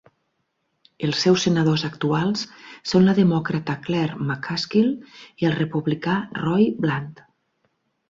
Els seus senadors actuals són la demòcrata Claire McCaskill i el republicà Roy Blunt.